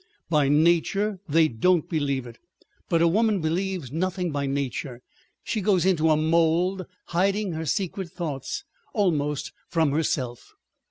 By nature they don't believe it. But a woman believes nothing by nature. She goes into a mold hiding her secret thoughts almost from herself."